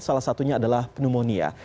salah satunya adalah pneumonia